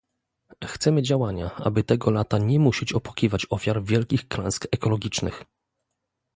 chcemy działania, aby tego lata nie musieć opłakiwać ofiar wielkich klęsk ekologicznych